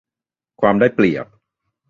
ความได้เปรียบ